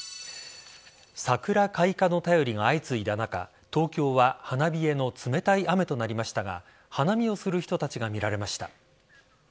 桜開花の便りが相次いだ中東京は花冷えの冷たい雨となりましたが花見をする人たちが見られました。